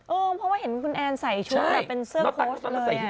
เพราะว่าเห็นคุณแอนใส่ชุดแบบเป็นเสื้อโค้ชเลย